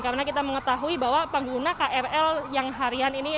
karena kita mengetahui bahwa pengguna krl yang harian ini